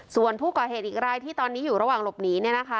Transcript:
ส่วนผู้ก่อเหตุอีกรายที่ตอนนี้อยู่ระหว่างหลบหนี